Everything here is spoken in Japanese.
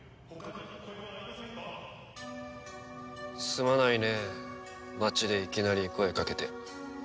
すまないね町でいきなり声かけて。